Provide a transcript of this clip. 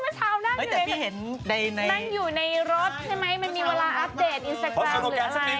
พี่ใหญ่ทุกเมื่อเช้านั่งอยู่นั่งอยู่ในรถใช่ไหมมันมีเวลาอัปเดตอินสตาแกรมหรืออะไร